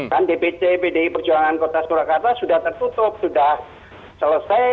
kan dpc pdi perjuangan kota surakarta sudah tertutup sudah selesai